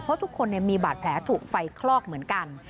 เพราะทุกคนมีบาดแผลถูกไฟคลอกเหมือนกัน